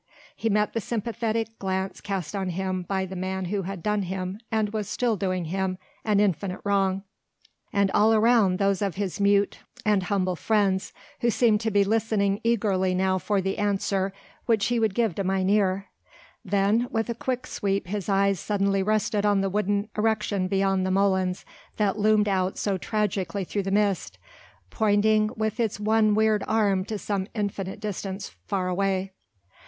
He met the sympathetic glance cast on him by the man who had done him was still doing him an infinite wrong, and all round those of his mute and humble friends who seemed to be listening eagerly now for the answer which he would give to Mynheer. Then with a quick sweep his eyes suddenly rested on the wooden erection beyond the molens that loomed out so tragically through the mist, pointing with its one weird arm to some infinite distance far away.